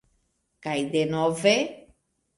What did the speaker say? Kaj denove.